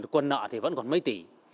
quân nợ vẫn còn mấy tỷ